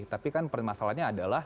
tapi kan masalahnya adalah